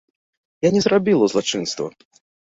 Я не зрабіла злачынства.